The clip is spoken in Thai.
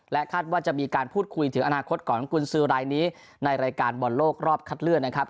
คาดว่าจะมีการพูดคุยถึงอนาคตของกุญสือรายนี้ในรายการบอลโลกรอบคัดเลือกนะครับ